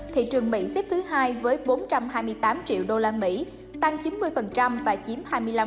thị trường mỹ xếp thứ hai với bốn trăm hai mươi tám triệu usd tăng chín mươi và chiếm hai mươi năm